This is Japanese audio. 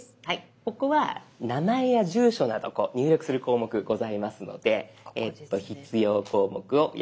ここは名前や住所など入力する項目ございますので必要項目をやはり埋めて頂きます。